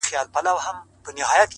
• له ارغوان تر لاله زار ښکلی دی,